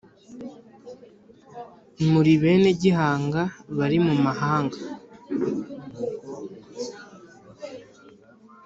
Muri bene Gihanga bari mu mahanga